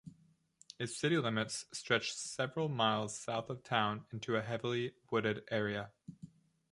Its city limits stretch several miles south of town into a heavily wooded area.